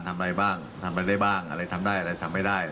ทำอะไรได้บ้างอะไรทำได้อะไรทำไม่ได้